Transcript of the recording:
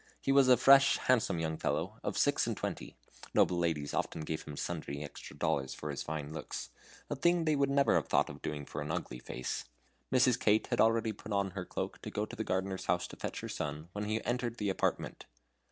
He was a fresh, handsome young fellow, of six and twenty. Noble ladies often gave him sundry extra dollars for his fine looks, a thing they would never have thought of doing for an ugly face. Mrs. Kate had already put on her cloak to go to the gardener's house to fetch her son, when he entered the apartment.